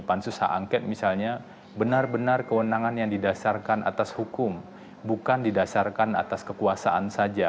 pansus hak angket misalnya benar benar kewenangan yang didasarkan atas hukum bukan didasarkan atas kekuasaan saja